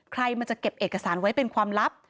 ใครมันจะเก็บเอกสารไว้เป็นความลับ